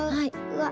わっ。